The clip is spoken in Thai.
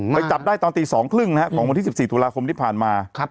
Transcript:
ไปจับได้ตอนตีสองครึ่งนะครับหรือ๑๔ธุราคมที่ผ่านมา